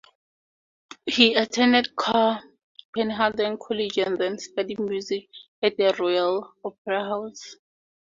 He attended Copenhagen College and then studied music at the Royal Opera House.